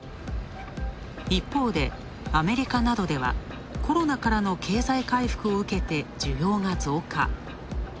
一方でアメリカなどではコロナからの経済回復をうけて需要が増加。